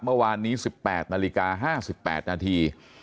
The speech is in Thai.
เมื่อวานนี้สิบแปดนาฬิกาห้าสิบแปดนาที